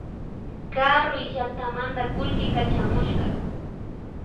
Karuy llaktamanta kullki kachamushka